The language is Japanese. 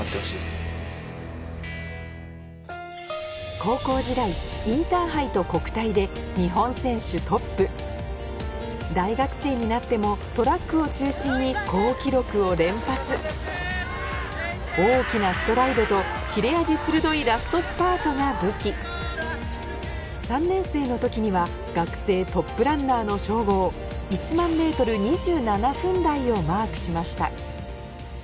高校時代インターハイと国体で日本選手トップ大学生になってもトラックを中心に好記録を連発大きなストライドと切れ味鋭いラストスパートが武器３年生の時には学生トップランナーの称号１００００ｍ２７分台をマークしました